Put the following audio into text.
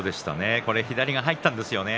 左が入ったんですよね。